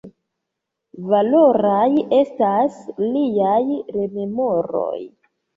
Valoraj estas liaj rememoroj.